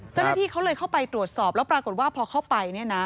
เจ้าหน้าที่เขาเลยเข้าไปตรวจสอบแล้วปรากฏว่าพอเข้าไปเนี่ยนะ